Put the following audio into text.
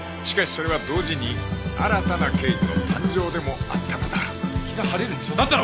しかしそれは同時に新たな刑事の誕生でもあったのだ